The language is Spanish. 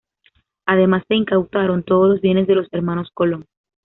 Además, se incautaron todos los bienes de los hermanos Colón.